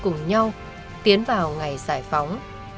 cùng nhau tiến vào ngày giải phóng